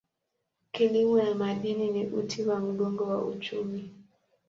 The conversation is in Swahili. Kilimo na madini ni uti wa mgongo wa uchumi.